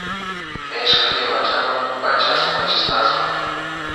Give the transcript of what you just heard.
o اې ښكلي پاچا سومه چي ستا سومه ـ